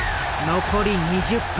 残り２０分